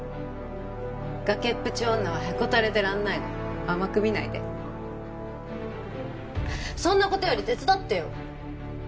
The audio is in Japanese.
崖っぷち女はへこたれてらんないの甘く見ないでそんなことより手伝ってよ